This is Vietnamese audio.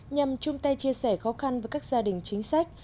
nhằm chung tay chia sẻ khó khăn với các gia đình chính sách